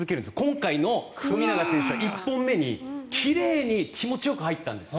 今回の富永選手は１本目に奇麗に気持ちよく入ったんです。